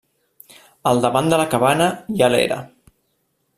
Al davant de la cabana hi ha l'era.